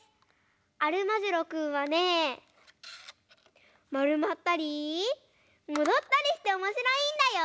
アルマジロくんはねまるまったりもどったりしておもしろいんだよ！